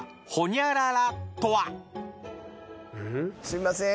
すいません